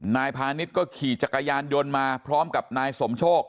พาณิชย์ก็ขี่จักรยานยนต์มาพร้อมกับนายสมโชค